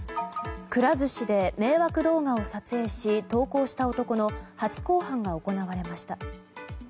くら寿司で迷惑動画を撮影し投稿した男の初公判が行われました。